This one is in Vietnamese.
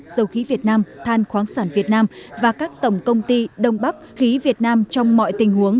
dầu khí việt nam than khoáng sản việt nam và các tổng công ty đông bắc khí việt nam trong mọi tình huống